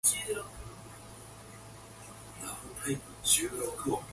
During summer, Newman Street hosts many street festivals.